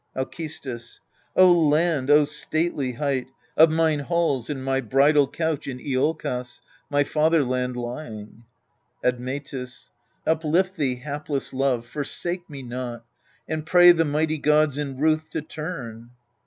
Alcestis. O land, O stately height Of mine halls, and my bridal couch in lolkos, my father land, lying ! Admetus. Uplift thee, hapless love, forsake me not, And pray the mighty gods in ruth to turn.